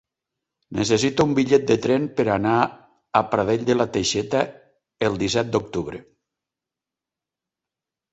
Necessito un bitllet de tren per anar a Pradell de la Teixeta el disset d'octubre.